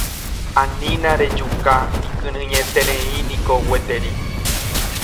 Anína rejuka ikyrỹietereíniko gueteri.